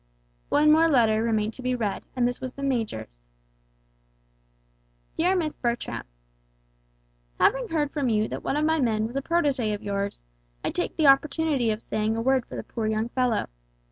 One more letter remained to be read and this was the major's "DEAR MISS BERTRAM: "Having heard from you that one of my men was a protégé of yours, I take the opportunity of saying a word for the poor young fellow.